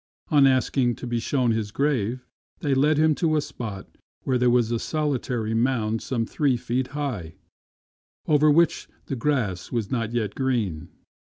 On asking to be shewn his grave, they led him to a spot where there was a solitary mound some three feet high, over which the grass was not yet green.